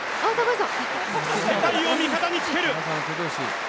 世界を味方に付ける。